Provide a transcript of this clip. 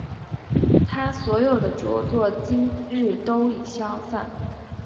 他所有的着作今日都已散失。